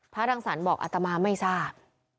พระอาจารย์บอกอัตมาไม่ทราบ